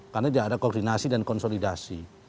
karena tidak ada koordinasi dan konsolidasi